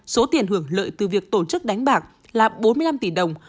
số tiền hưởng lợi từ việc tổ chức đánh bạc là bốn mươi năm tỷ đồng